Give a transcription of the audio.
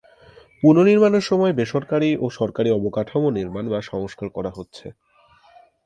পুনঃনির্মাণের সময় বেসরকারি ও সরকারি অবকাঠামো নির্মাণ বা সংস্কার করা হচ্ছে।